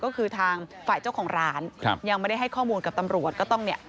ก็คือทางฝ่ายเจ้าของร้านยังไม่ให้เคราะห์มุมที่ตำรวจ